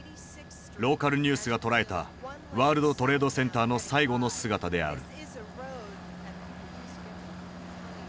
ローカルニュースが捉えたワールドトレードセンターの最後の姿である。